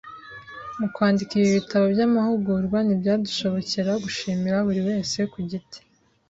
mu kwandika ibi bitabo by amahugurwa Ntibyadushobokera gushimira buri wese ku giti